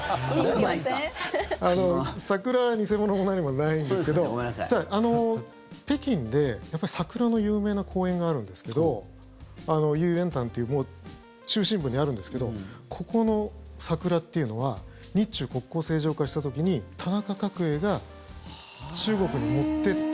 桜は偽物も何もないんですけどただ、北京で桜の有名な公園があるんですけど玉淵潭ってもう中心部にあるんですけどここの桜っていうのは日中国交正常化した時に田中角栄が中国に持っていった。